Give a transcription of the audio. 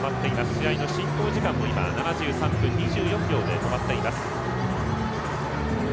試合の進行時間も７３分２４秒で止まっています。